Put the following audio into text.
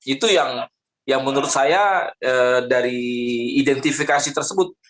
itu yang menurut saya dari identifikasi tersebut